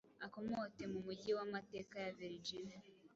akomote mu mujyi wamateka ya Verigina